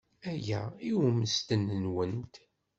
Aya i ummesten-nwent.